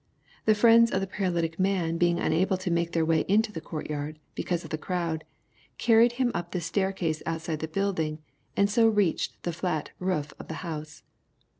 The friends of the parar lytic man being unable to make their way into the court yard, because of the crowd, carried him up the stair case outside the building, and so reached the flat roof of the house.